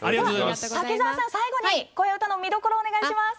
滝沢さん、最後に「こえうた」の魅力をお願いします。